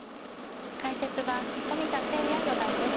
解説は冨田誠也四段です。